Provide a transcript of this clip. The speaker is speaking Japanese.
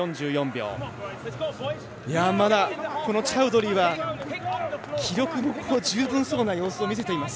まだ、このチャウドリーは気力も十分そうな様子を見せています。